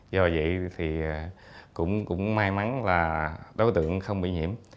do vậy thì cũng may mắn là đối tượng không bị nhiễm